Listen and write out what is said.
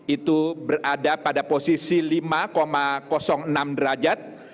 itu berada pada posisi lima enam derajat